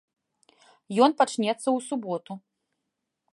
Ён пачнецца ў суботу.